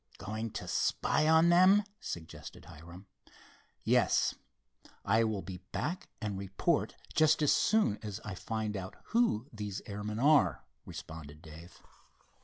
"Going to spy on them?" suggested Hiram. "Yes. I will be back and report just as soon as I find out who these airmen are," responded Dave.